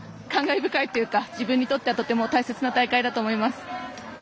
感慨深いというか自分にとってはとても大切な大会だと思います。